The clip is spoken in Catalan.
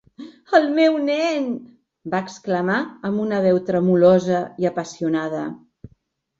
"El meu nen!", va exclamar amb una veu tremolosa i apassionada.